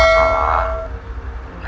kalau ada masalah